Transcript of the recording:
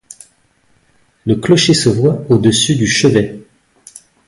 Le clocher se voit au-dessus du chevet.